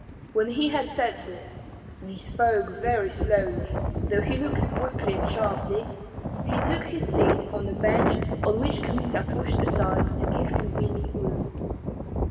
When he had said this, and he spoke very slowly, though he looked quickly and sharply, he took his seat on the bench on which Kmita pushed aside to give convenient room.